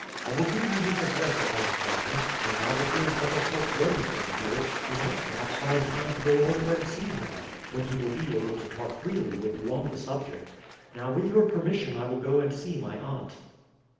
I will give you his address at Enkhuizen, and as it is but a short journey from here you might perhaps find time to go over and see him, when he will be able to talk freely with you on the subject. Now, with your permission I will go and see my aunt."